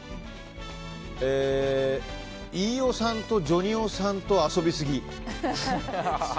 飯尾さんとジョニオさんと遊びすぎ。